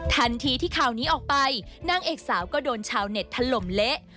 ทันทีที่ข่าวนี้ออกไปนางเอกสาวก็โดนชาวเน็ตถล่มเละ